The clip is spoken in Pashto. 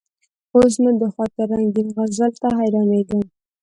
اوس نو: د خاطر رنګین غزل ته حیرانېږم.